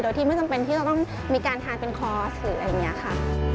โดยที่ไม่จำเป็นที่จะต้องมีการทานเป็นคอสหรืออะไรอย่างนี้ค่ะ